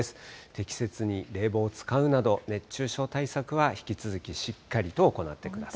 適切に冷房を使うなど、熱中症対策は引き続きしっかりと行ってください。